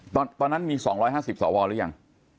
ตอนนั้นมี๒๕๐สวหรือยัง